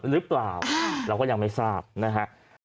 หรือเปล่าเราก็ยังไม่ทราบนะฮะ